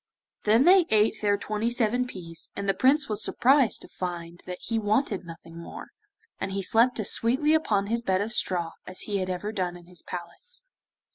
Then they each ate their twenty seven peas, and the Prince was surprised to find that he wanted nothing more, and he slept as sweetly upon his bed of straw as he had ever done in his palace.